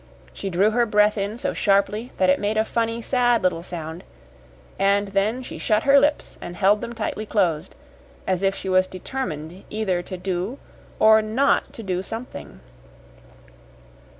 She drew her breath in so sharply that it made a funny, sad little sound, and then she shut her lips and held them tightly closed, as if she was determined either to do or NOT to do something.